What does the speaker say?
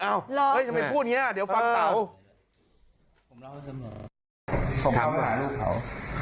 เอ้าเฮ้ยทำไมพูดแนให้เดี๋ยวฟังเต๋า